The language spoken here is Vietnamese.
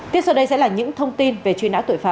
tiếp sau đây sẽ là những thông tin về truy nã tội phạm